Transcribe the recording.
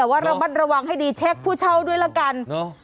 แต่ว่าระมัดระวังให้ดีเช็คผู้เช่าด้วยละกัน